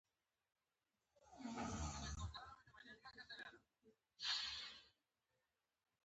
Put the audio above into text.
ذهني سکون د بدن صحت لپاره اړین دی.